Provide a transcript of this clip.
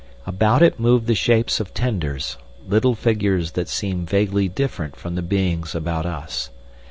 About it moved the shapes of tenders, little figures that seemed vaguely different from the beings about us.